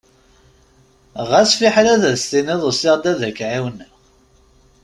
Ɣas fiḥel ad s-tiniḍ usiɣ-d ad k-εawneɣ.